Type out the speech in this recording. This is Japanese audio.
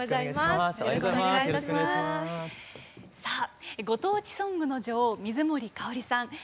さあご当地ソングの女王水森かおりさん。